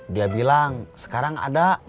dia bilang sekarang ada